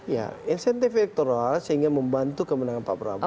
ya insentif elektoral sehingga membantu kemenangan pak prabowo